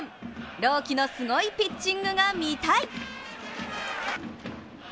朗希のすごいピッチングが見たい！